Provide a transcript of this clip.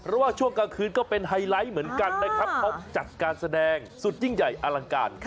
เพราะว่าช่วงกลางคืนก็เป็นไฮไลท์เหมือนกันนะครับเขาจัดการแสดงสุดยิ่งใหญ่อลังการ